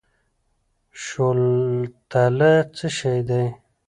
شوتله څه شی ده؟